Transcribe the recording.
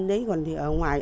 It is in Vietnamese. đấy còn thì ở ngoài